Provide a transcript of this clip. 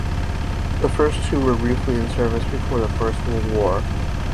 The first two were briefly in service before the First World War.